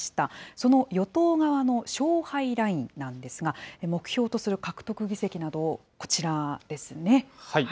その与党側の勝敗ラインなんですが、目標とする獲得議席など、こちらですね。